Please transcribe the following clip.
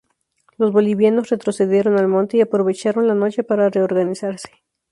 Los bolivianos retrocedieron al monte y aprovecharon la noche para reorganizarse.